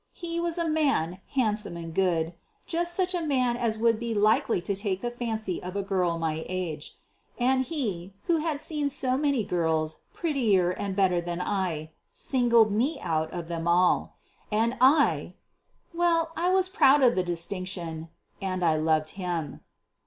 He was a man, handsome and good, just such a man as would be likely to take the fancy of a girl of my age. And he, who had seen so many girls prettier and better than I, singled me out of them all; and I well, I was proud of the distinction, and I loved him.